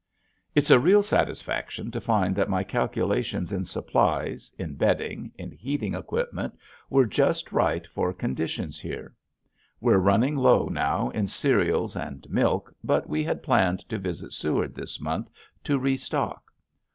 It's a real satisfaction to find that my calculations in supplies, in bedding, in heating equipment were just right for conditions here. We're running low now in cereals and milk but we had planned to visit Seward this month to restock.